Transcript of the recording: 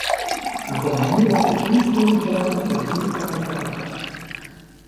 Dan kom ik nu op de invoeringsdata voor de digitale tachograaf.